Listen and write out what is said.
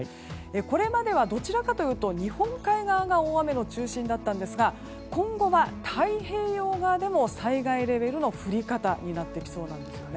これまではどちらかというと日本海側が大雨の中心だったんですが今後は、太平洋側でも災害レベルの降り方になってきそうです。